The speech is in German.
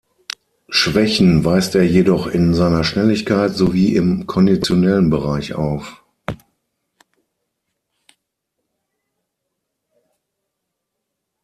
Schwächen weist er jedoch in seiner Schnelligkeit sowie im konditionellen Bereich auf.